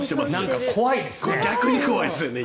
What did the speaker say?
逆に怖いですよね。